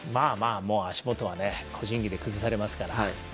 足元は個人技で崩されますから。